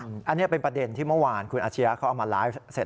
อันนี้เป็นประเด็นที่เมื่อวานคุณอาชียะเขาเอามาไลฟ์เสร็จ